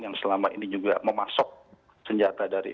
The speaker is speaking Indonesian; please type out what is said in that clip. yang selama ini juga memasuk senjata dari